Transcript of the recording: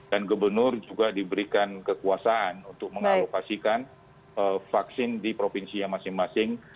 dan gubernur juga diberikan kekuasaan untuk mengalokasikan vaksin di provinsi masing masing